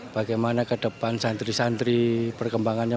bagaimana ke depan santri santri perkembangannya